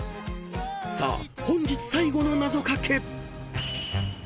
［さあ本日最後のなぞかけ］